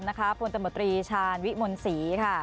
นฉานวิมนศรี